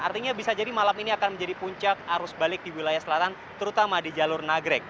artinya bisa jadi malam ini akan menjadi puncak arus balik di wilayah selatan terutama di jalur nagrek